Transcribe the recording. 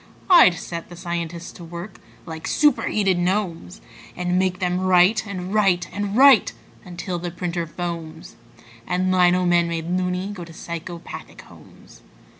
I'd set the scientists to work like superheated gnomes, And make them write and write and write until the printer foams And lino men, made "loony", go to psychopathic homes.